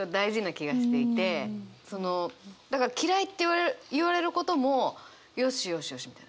だから「嫌い」って言われることも「よしよしよし」みたいな。